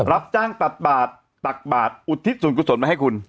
รับจ้างตักบาทตักบาทอุทิศส่วนกุศลมาให้คุณ